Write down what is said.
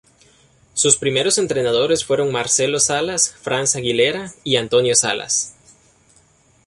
Sus primeros entrenadores fueron Marcelo Salas, Franz Aguilera y Antonio Salas.